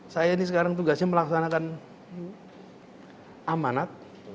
saya ini sekarang tugasnya melaksanakan amanat